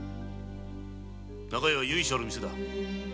中屋は由緒ある店だ。